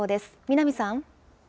南さん。